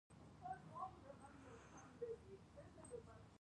د خربوزې پوستکي مالداري ته ځي.